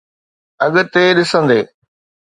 اڳتي ڏسندي.